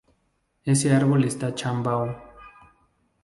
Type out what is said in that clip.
Ese árbol está chambao.